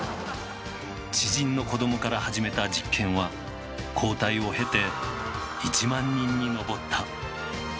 知人の子どもから始めた実験は交代を経て１万人に上った。